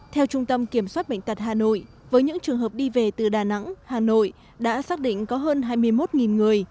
theo trung tâm kiểm soát bệnh tật hà nội với những trường hợp đi về từ đà nẵng hà nội đã xác định có hơn hai mươi một người